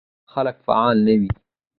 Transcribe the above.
دا خلک فعال نه وي.